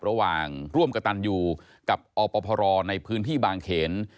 ระหว่างร่วมกับตันยูกับอพรในพื้นที่บางเขน